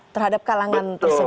terhadap kalangan tersebut